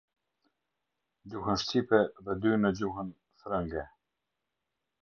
Gjuhën shqipë dhe dy në gjuhën frënee.